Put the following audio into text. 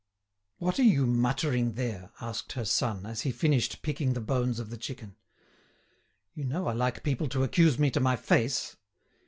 "What are you muttering there?" asked her son, as he finished picking the bones of the chicken. "You know I like people to accuse me to my face.